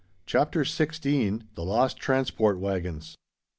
CHAPTER XVI. THE LOST TRANSPORT WAGONS.